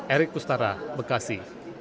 erik kustara bekasi